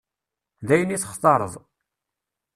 D ayen i textareḍ.